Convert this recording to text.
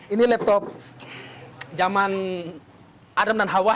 ini laptop zaman adam dan hawa